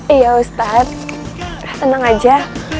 iya ustadz tenang aja